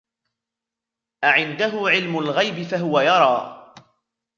أعنده علم الغيب فهو يرى